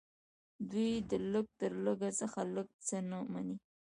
دوی د لږ تر لږه څخه لږ څه نه مني